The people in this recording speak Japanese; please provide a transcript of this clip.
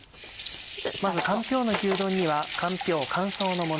まずかんぴょうの牛丼にはかんぴょう乾燥のもの